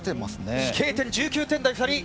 飛型点１９点台、２人。